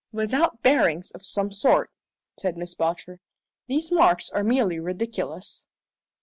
"Without bearings of some sort," said Miss Belcher, "these marks are merely ridiculous."